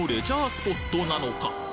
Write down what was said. スポットなのか？